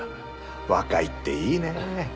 若いっていいね。